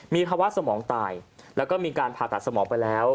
มีภาวะสมองตายแล้วก็มีการผ่าตัดสมองไปแล้ว